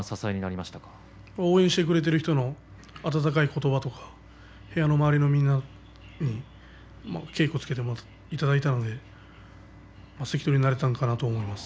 応援してくださっている方の温かい言葉とか部屋の周りのみんなに稽古をつけていただいたので関取になれたのかなと思います。